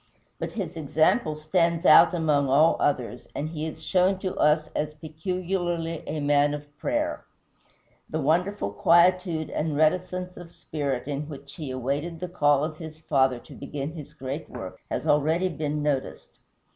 But his example stands out among all others, and he is shown to us as peculiarly a man of prayer. The wonderful quietude and reticence of spirit in which he awaited the call of his Father to begin his great work has already been noticed.